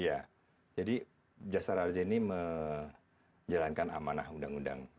iya jadi jasara harja ini menjalankan amanah undang undang